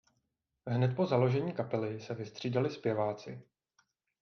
Hned po založení kapely se vystřídali zpěváci.